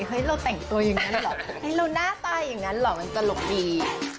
เห้ยเราแต่งตัวยังงั้นหรอมันตลกดี